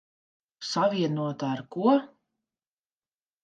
Savienota ar ko?